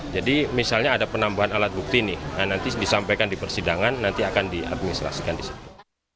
jadi misalnya ada penambahan alat bukti nih nanti disampaikan di persidangan nanti akan diadministrasikan disitu